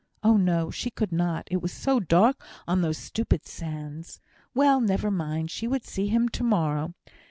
Oh, no! She could not, it was so dark on those stupid sands. Well, never mind, she would see him to morrow.